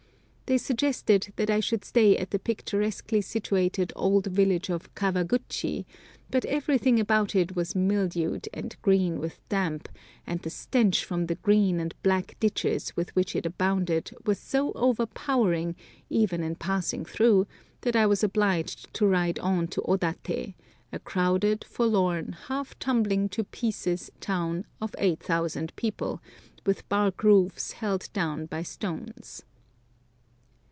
They suggested that I should stay at the picturesquely situated old village of Kawaguchi, but everything about it was mildewed and green with damp, and the stench from the green and black ditches with which it abounded was so overpowering, even in passing through, that I was obliged to ride on to Odaté, a crowded, forlorn, half tumbling to pieces town of 8000 people, with bark roofs held down by stones.